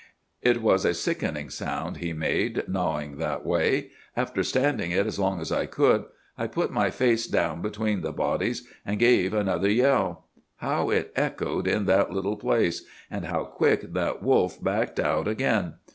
It was a sickening sound he made, gnawing that way. After standing it as long as I could, I put my face down between the bodies, and gave another yell. How it echoed in that little place! and how quick that wolf backed out again!